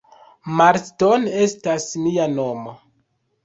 Marston estas mia nomo.